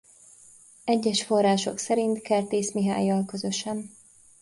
Egyes források szerint Kertész Mihállyal közösen.